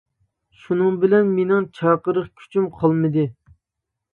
شۇنىڭ بىلەن مېنىڭ چاقىرىق كۈچۈم قالمىدى.